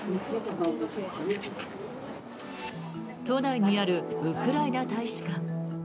都内にあるウクライナ大使館。